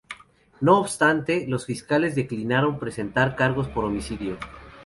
No obstante, los fiscales declinaron presentar cargos por homicidio.